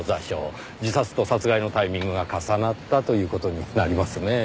自殺と殺害のタイミングが重なったという事になりますねぇ。